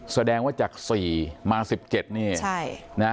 แสดงว่าจาก๔มา๑๗นี่นะ